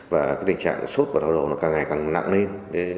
và cái tình trạng sốt và đau đầu nó càng ngày càng nặng lên